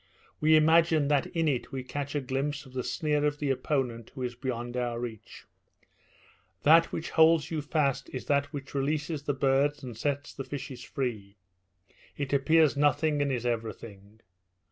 We imagine that in it we catch a glimpse of the sneer of the opponent who is beyond our reach. That which holds you fast is that which releases the birds and sets the fishes free. It appears nothing, and is everything.